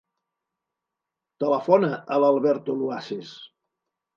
Telefona a l'Alberto Luaces.